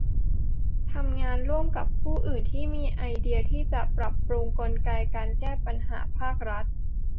ทำงานร่วมกับผู้ที่มีไอเดียที่จะปรับปรุงกลไกการแก้ไขปัญหาภาครัฐ